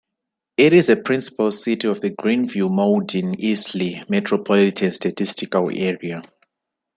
It is a principal city of the Greenville-Mauldin-Easley Metropolitan Statistical Area.